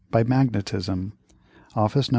by magnetism. Office No.